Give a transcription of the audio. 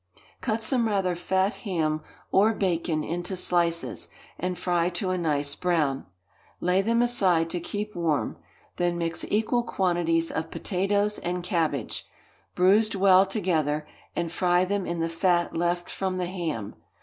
Cut some rather fat ham or bacon into slices, and fry to a nice brown; lay them aside to keep warm; then mix equal quantities of potatoes and cabbage, bruised well together, and fry them in the fat left from the ham.